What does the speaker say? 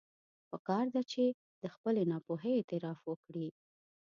پکار ده چې د خپلې ناپوهي اعتراف وکړي.